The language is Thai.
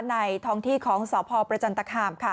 ท้องที่ของสพประจันตคามค่ะ